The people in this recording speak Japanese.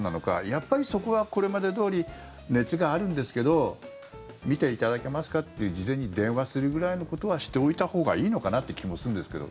やっぱり、そこはこれまでどおり熱があるんですけど診ていただけますか？っていう事前に電話するぐらいのことはしておいたほうがいいのかなって気もするんですけど。